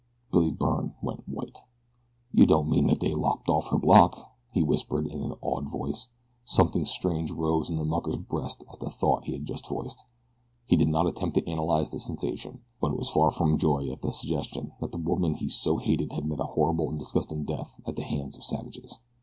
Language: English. Billy Byrne went white. "Yeh don't mean dat dey've lopped off her block?" he whispered in an awed voice. Something strange rose in the mucker's breast at the thought he had just voiced. He did not attempt to analyze the sensation; but it was far from joy at the suggestion that the woman he so hated had met a horrible and disgusting death at the hands of savages.